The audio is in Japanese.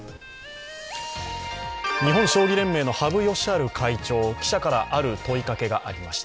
日本将棋連盟の羽生善治会長、記者から、ある問いかけがありました。